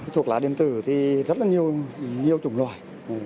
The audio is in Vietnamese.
thuốc lá điện tử thì rất là nhiều nhiều chủng loại